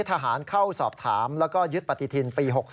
ทหารเข้าสอบถามแล้วก็ยึดปฏิทินปี๖๓